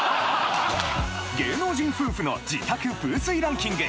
芸能人夫婦の自宅風水ランキング